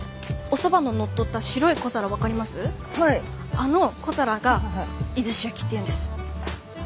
あの小皿が出石焼っていうんです。